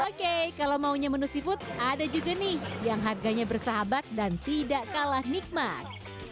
oke kalau maunya menu seafood ada juga nih yang harganya bersahabat dan tidak kalah nikmat